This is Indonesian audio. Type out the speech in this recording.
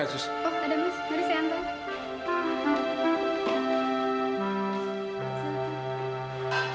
oh ada mas dari si anto